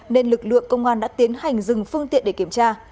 nên lực lượng công an đã tiến hành dừng phương tiện để kiểm tra